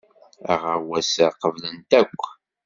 Aɣawas-a qeblen-t akk.